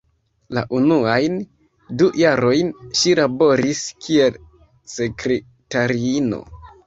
La unuajn du jarojn ŝi laboris kiel sekretariino.